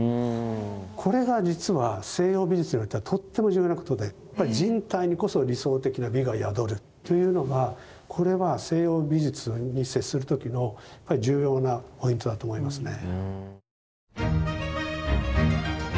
これが実は西洋美術においてはとっても重要なことでやっぱり人体にこそ理想的な美が宿るというのがこれは西洋美術に接する時の重要なポイントだと思いますね。